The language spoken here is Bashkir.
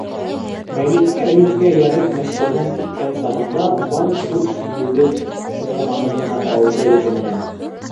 Мәликә Әйүпкә эйәреп Мәскәүҙән киткән сағында бары шул сигеүле туҡыманы ғына алды үҙе менән...